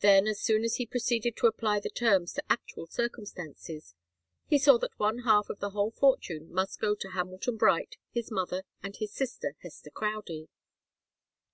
Then, as soon as he proceeded to apply the terms to actual circumstances, he saw that one half of the whole fortune must go to Hamilton Bright, his mother, and his sister, Hester Crowdie.